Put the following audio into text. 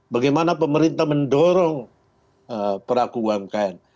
bagaimana pemerintah mendorong pelaku umkm